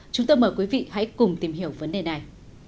chúng tôi mời quý vị hãy cùng tìm hiểu vấn đề này